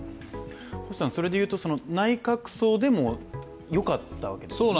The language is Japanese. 星さんそれでいうと、内閣葬でもよかったわけですよね。